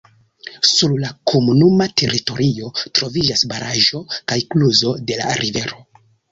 Sur la komunuma teritorio troviĝas baraĵo kaj kluzo de la rivero.